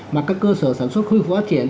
mà các cơ sở sản xuất khôi phục phát triển